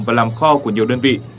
và làm kho của nhiều đơn vị